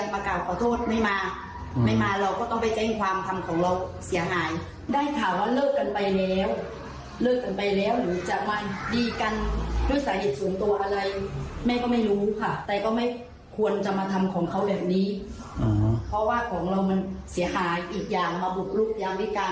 เพราะว่าของเรามันเสียหายอีกอย่างมาบุกรุกย้ำดีกัน